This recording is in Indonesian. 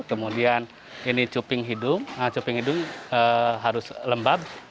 kemudian ini cuping hidung cuping hidung harus lembab